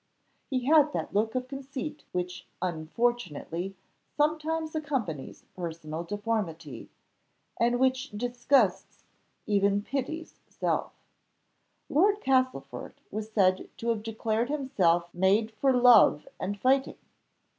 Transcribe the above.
He had that look of conceit which unfortunately sometimes accompanies personal deformity, and which disgusts even Pity's self. Lord Castlefort was said to have declared himself made for love and fighting!